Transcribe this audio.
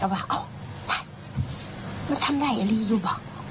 แล้วว่าอ้าวไอ้ไหนมันทำให้อาลีอยู่บ่